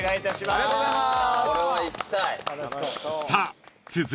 ありがとうございます。